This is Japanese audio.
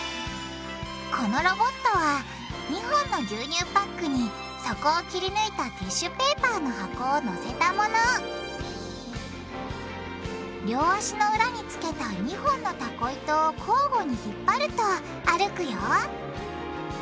このロボットは２本の牛乳パックに底を切りぬいたティッシュペーパーの箱をのせたもの両足の裏につけた２本のタコ糸を交互に引っ張ると歩くよ